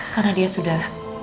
karena dia sudah